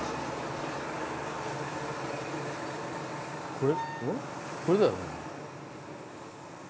これこれだよね。